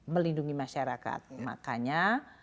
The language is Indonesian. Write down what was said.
melindungi masyarakat makanya